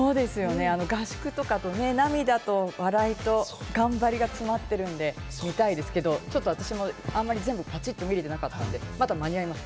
合宿とか、涙と笑いと頑張りが詰まっているので見たいですけれども、ちょっと私もあんまり全部パチッと見れてなかったので、まだ間に合いますか？